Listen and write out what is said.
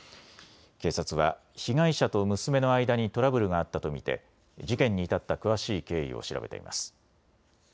警察は被害者と娘の間にトラブルがあったと見て事件に至った詳しい経緯を調べています。